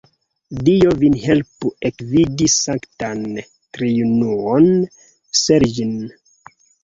Dio vin helpu ekvidi Sanktan Triunuon-Sergij'n.